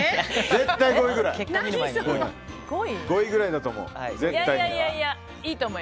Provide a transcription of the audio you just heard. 絶対５位ぐらいだと思う。